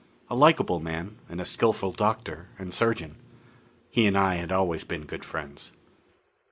A likable man, and a skillful doctor and surgeon. He and I had always been good friends.